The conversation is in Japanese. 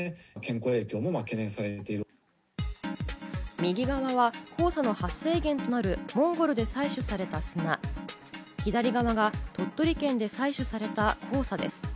右側は黄砂の発生源となるモンゴルで採取された砂、左側が鳥取県で採取された黄砂です。